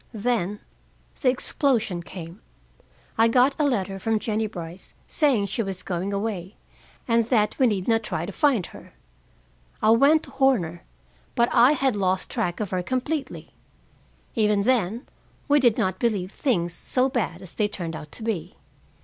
Then the explosion came. I got a letter from Jennie Brice saying she was going away, and that we need not try to find her. I went to Horner, but I had lost track of her completely. Even then, we did not believe things so bad as they turned out to be.